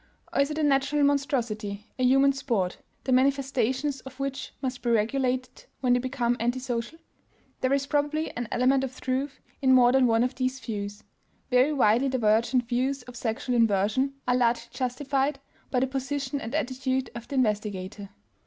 or is it a natural monstrosity, a human "sport," the manifestations of which must be regulated when they become antisocial? There is probably an element of truth in more than one of these views. Very widely divergent views of sexual inversion are largely justified by the position and attitude of the investigator.